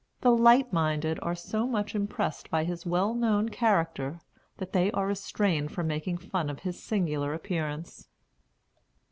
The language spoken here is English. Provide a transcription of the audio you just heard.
The light minded are so much impressed by his well known character, that they are restrained from making fun of his singular appearance."